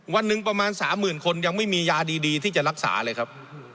วันหนึ่งประมาณ๓๐๐๐คนยังไม่มียาดีที่จะรักษาเลยครับ